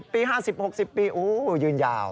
๓๐๔๐ปี๕๐๖๐ปีโอ้ยืนยาว